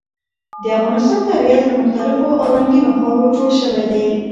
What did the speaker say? د افغانستان طبیعت له مختلفو او رنګینو خاورو جوړ شوی دی.